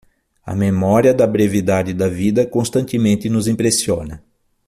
A memória da brevidade da vida constantemente nos impressiona.